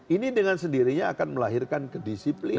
ini dengan sendirinya akan melahirkan kedisiplinan